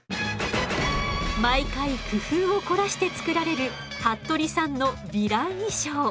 毎回工夫を凝らして作られる服部さんのヴィラン衣装。